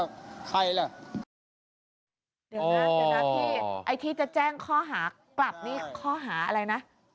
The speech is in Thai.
เดี๋ยวนะเดี๋ยวนะพี่ไอ้ที่จะแจ้งข้อหากลับนี่ข้อหาอะไรนะ